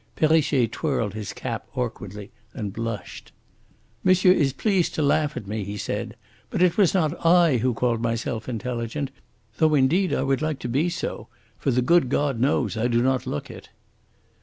Perrichet twirled his cap awkwardly and blushed. "Monsieur is pleased to laugh at me," he said. "But it was not I who called myself intelligent. Though indeed I would like to be so, for the good God knows I do not look it."